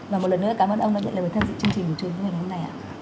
và một lần nữa cảm ơn ông đã nhận lời và tham dự chương trình của chúng tôi ngày hôm nay ạ